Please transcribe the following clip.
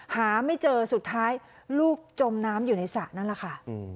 หาไม่เจอสุดท้ายลูกจมน้ำอยู่ในสระนั่นแหละค่ะ